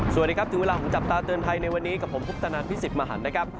สวัสดีครับถึงเวลาของจับตาเตือนภัยในวันนี้กับผมพุทธนันพิสิทธิ์มหันนะครับ